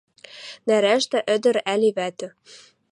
Нӓрӓштӓ ӹдӹр ӓли вӓтӹ